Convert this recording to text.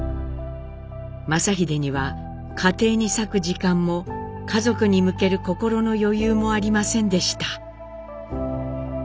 正英には家庭に割く時間も家族に向ける心の余裕もありませんでした。